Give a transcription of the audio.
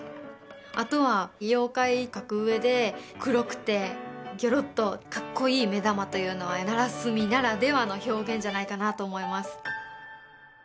あとは妖怪描くうえで黒くてギョロっとかっこいい目玉というのは奈良墨ならではの表現じゃないかなと思います